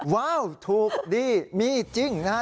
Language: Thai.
ว้าวถูกดีมีจริงนะฮะ